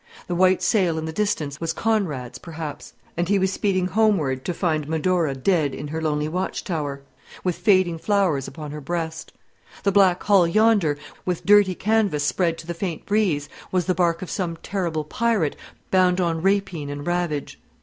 The white sail in the distance was Conrad's, perhaps; and he was speeding homeward to find Medora dead in her lonely watch tower, with fading flowers upon her breast. The black hull yonder, with dirty canvas spread to the faint breeze, was the bark of some terrible pirate bound on rapine and ravage.